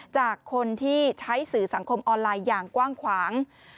จากคนที่ใช้สื่อสังคมออนไลน์อย่างกว้างขวาง